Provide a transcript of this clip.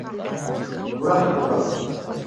Абра ҳнатәап.